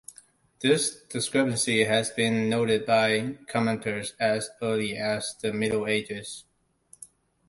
This discrepancy has been noted by commentators as early as the middle ages.